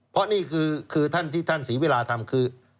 เพราะนี่คือท่านที่ท่านศรีเวลาทำคือ